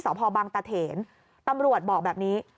พ่อบังตะเถนตำรวจบอกแบบนี้